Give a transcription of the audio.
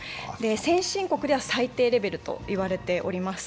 先進国では最低レベルと言われています。